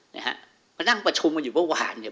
นะฮะมานั่งประชุมกันอยู่เมื่อวานเนี่ย